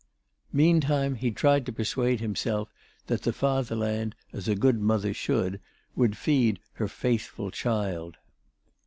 Meantime, he tried to persuade himself that the fatherland, as a good mother should, would feed her faithful child.